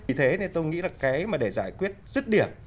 vì thế nên tôi nghĩ là cái mà để giải quyết rứt điểm